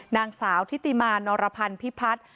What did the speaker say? นางสาวทิติมานรพันธ์พิพัฒน์